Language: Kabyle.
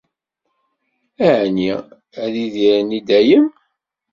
Ɛni ad idiren i dayem?